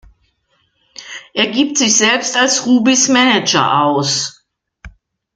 Er gibt sich selbst als Rubys Manager aus.